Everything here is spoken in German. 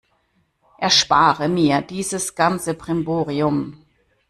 Erspare mir dieses ganze Brimborium!